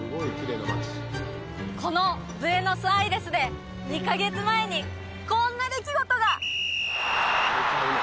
このブエノスアイレスで２カ月前にこんな出来事が！